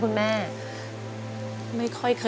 จะใช้หรือไม่ใช้ครับ